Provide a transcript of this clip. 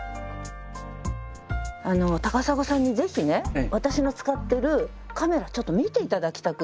高砂さんにぜひね私の使ってるカメラちょっと見ていただきたくって。